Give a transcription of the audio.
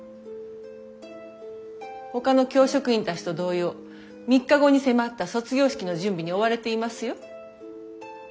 ほかの教職員たちと同様３日後に迫った卒業式の準備に追われていますよ。